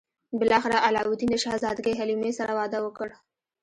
بالاخره علاوالدین له شهزادګۍ حلیمې سره واده وکړ.